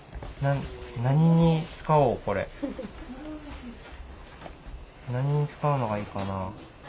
何に使うのがいいかな。